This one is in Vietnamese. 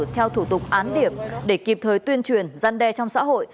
theo thủ tục án điểm để kịp thời tuyên truyền gian đe trong xã hội